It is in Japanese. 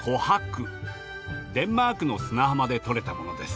デンマークの砂浜でとれたものです。